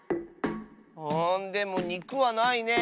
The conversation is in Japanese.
あでもにくはないね。